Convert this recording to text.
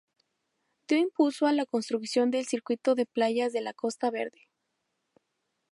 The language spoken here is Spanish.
Dio impulso a la construcción del circuito de playas de la Costa Verde.